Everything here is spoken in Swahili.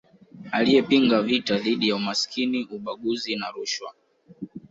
Aliyepinga vita dhidi ya umasikini ubaguzi na rushwa